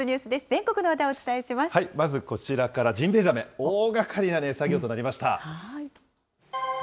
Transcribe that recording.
全国の話題まずこちらから、ジンベエザメ、大がかりな作業となりました。